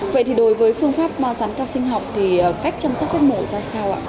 vậy thì đối với phương pháp rán keo sinh học thì cách chăm sóc các mổ ra sao ạ